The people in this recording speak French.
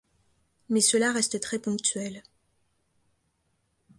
Mais cela reste très ponctuel.